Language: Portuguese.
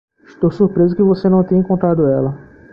Estou surpreso que você não tenha encontrado ela.